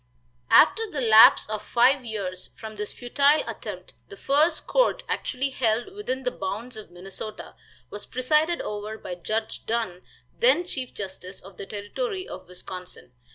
After the lapse of five years from this futile attempt the first court actually held within the bounds of Minnesota was presided over by Judge Dunn, then chief justice of the Territory of Wisconsin.